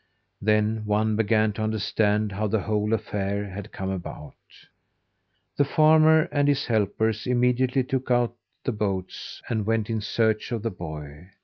Then one began to understand how the whole affair had come about. The farmer and his helpers immediately took out the boats and went in search of the boy.